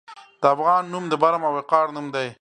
د افغان نوم د برم او وقار نوم دی.